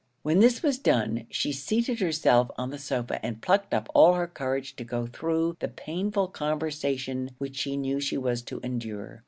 When this was done, she seated herself on the sofa, and plucked up all her courage to go through the painful conversation which she knew she was to endure.